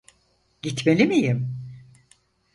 Gitmeli miyim?